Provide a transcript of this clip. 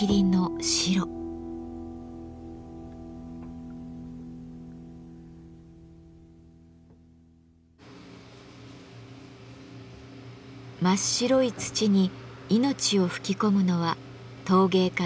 真っ白い土に命を吹き込むのは陶芸家の西山正さんです。